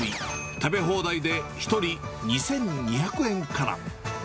食べ放題で１人２２００円から。